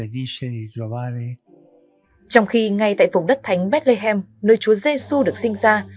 trong khi ngay tại vùng đất thánh bethlehem nơi chúa giê xu được sinh ra